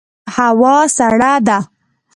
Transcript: هوا سړه ده